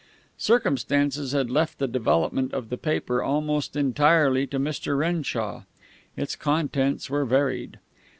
Circumstances had left the development of the paper almost entirely to Mr. Renshaw. Its contents were varied.